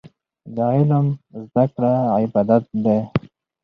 د علم زده کړه عبادت دی.